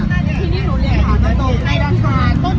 ที่นี่หนูเนี่ยต้องกล่องไหนเราถ่ายต้องกล่อง